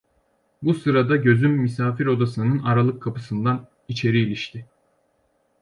Bu sırada gözüm misafir odasının aralık kapısından içeri ilişti.